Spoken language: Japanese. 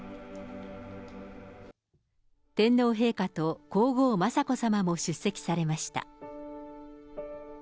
天皇陛下と皇后雅子さまも出席されました。